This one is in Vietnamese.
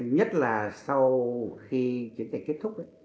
nhất là sau khi kiến trình kết thúc